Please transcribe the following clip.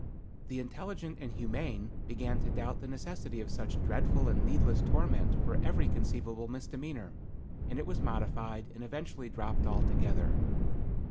"The intelligent and humane began to doubt the necessity of such dreadful and needless torment for every conceivable misdemeanor, and it was modified, and eventually dropped altogether.